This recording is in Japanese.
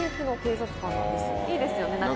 いいですよね何か。